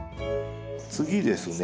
次ですね